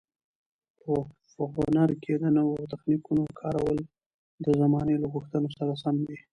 په هنر کې د نویو تخنیکونو کارول د زمانې له غوښتنو سره سم دي.